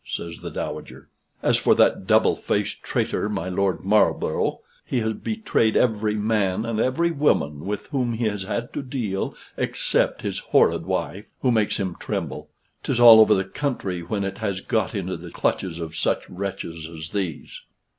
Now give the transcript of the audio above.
says the Dowager: "As for that double faced traitor, my Lord Marlborough, he has betrayed every man and every woman with whom he has had to deal, except his horrid wife, who makes him tremble. 'Tis all over with the country when it has got into the clutches of such wretches as these."